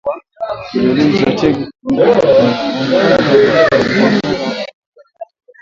Kiluilui cha tegu huenda kwenye ubongo wa kondoo na kusababisha kuchanganyikiwa